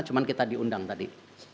cuma kita diundang tadi